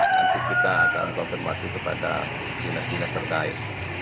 nanti kita akan konfirmasi kepada dinas dinas terkait